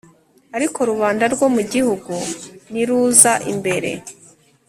Ariko rubanda rwo mu gihugu niruza imbere